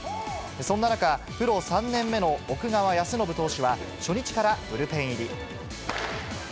そんな中、プロ３年目の奥川恭伸投手は初日からブルペン入り。